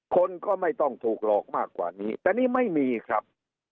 คนก็ไม่ต้องถูกหลอกมากกว่านี้แต่นี่ไม่มีครับ